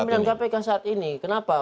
pimpinan kpk saat ini kenapa